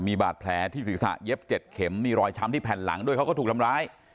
มีบาดแผลที่ศีรษะเย็บ๗เข็มมีรอยช้ำที่แผ่นหลังด้วยเขาก็ถูกทำร้าย